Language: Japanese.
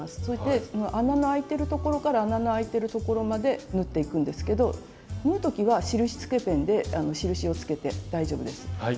そして穴のあいてるところから穴のあいてるところまで縫っていくんですけど縫う時は印つけペンで印をつけて大丈夫です。